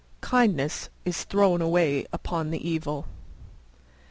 Kindness is thrown away upon the evil.